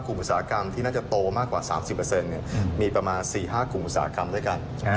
อุตสาหกรรมที่น่าจะโตมากกว่า๓๐มีประมาณ๔๕กลุ่มอุตสาหกรรมด้วยกัน